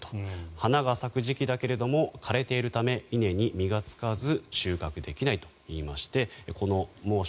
花が咲く時期だけれども枯れているため稲に実がつかず収穫できないといいましてこの猛暑、